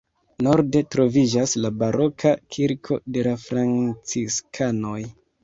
Norde troviĝas la baroka kirko de la franciskanoj.